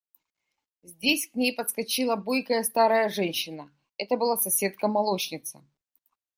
Здесь к ней подскочила бойкая старая женщина – это была соседка, молочница.